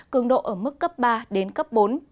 cường độ ở mức cấp ba đến cấp bốn